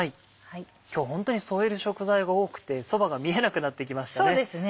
今日はホントに添える食材が多くてそばが見えなくなってきましたね。